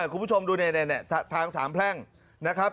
คุณผู้ชมดูเนี่ยทางสามแพร่งนะครับ